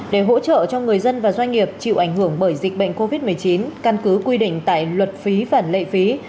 để hỗ trợ cho người dân và doanh nghiệp chịu ảnh hưởng bởi dịch bệnh covid một mươi chín căn cứ quy định tại luật phí và lệ phí